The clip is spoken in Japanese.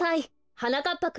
はなかっぱくん